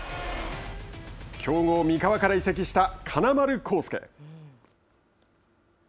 強豪三河から移籍した金丸晃輔。